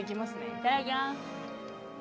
いただきます。